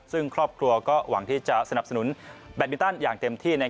ซึ่งครอบครัวก็หวังที่จะสนับสนุนแบตมินตันอย่างเต็มที่